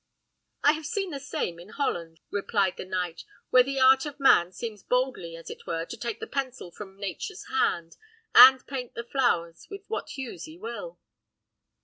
"I have seen the same in Holland," replied the knight, "where the art of man seems boldly, as it were, to take the pencil from nature's hand, and paint the flowers with what hues he will."